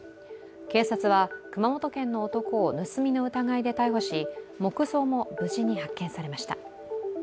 警察は熊本県の男を盗みの疑いで逮捕し、木像も無事に発見されました。